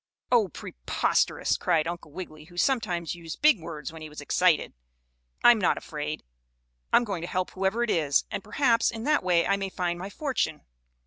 "Oh, preposterous!" cried Uncle Wiggily, who sometimes used big words when he was excited. "I'm not afraid. I'm going to help whoever it is, and, perhaps, in that way I may find my fortune."